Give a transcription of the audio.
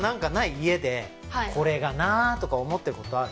家で「これがな」とか思ってることある？